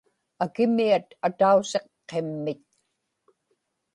akimiat atausiq qimmit